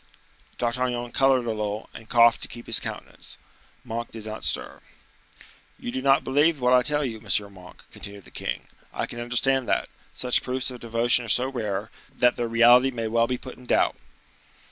D'Artagnan colored a little, and coughed to keep his countenance. Monk did not stir. "You do not believe what I tell you, M. Monk," continued the king. "I can understand that,—such proofs of devotion are so rare, that their reality may well be put in doubt."